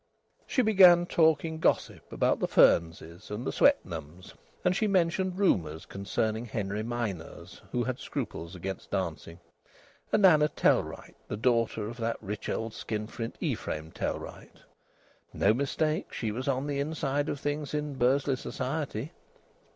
She began talking gossip about the Fearnses and the Swetnams, and she mentioned rumours concerning Henry Mynors (who had scruples against dancing) and Anna Tellwright, the daughter of that rich old skinflint Ephraim Tellwright. No mistake; she was on the inside of things in Bursley society!